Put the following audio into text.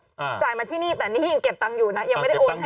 จ่ายมาที่นี่แต่นี่ยังเก็บเงินด้วยนะ